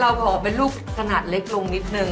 เราขอเป็นลูกขนาดเล็กลงนิดนึง